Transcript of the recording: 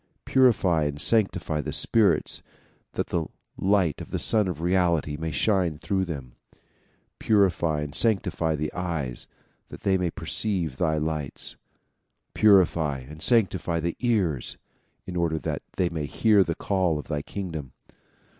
Purify and sanctify the spirits that the light of the Sun of Reality may shine through them. Purify and sanctify the eyes that they may perceive thy lights. Purify and sanctify the ears in order that they may hear the call of thy kingdom.